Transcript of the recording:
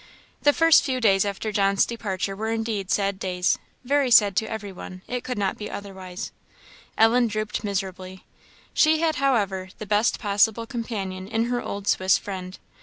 The first few days after John's departure were indeed sad days very sad to every one; it could not be otherwise. Ellen drooped miserably. She had, however, the best possible companion in her old Swiss friend.